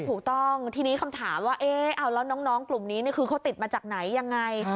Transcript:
ถูกต้องทีนี้คำถามว่าเอ๊ะเอาแล้วน้องกลุ่มนี้คือเขาติดมาจากไหนยังไง